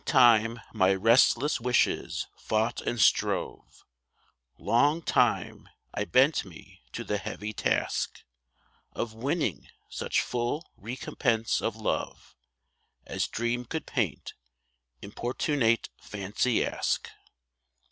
time my restless wishes fought and strove, Long time I bent me to the heavy task Of winning such full recompense of love As dream could paint, importunate fancy ask.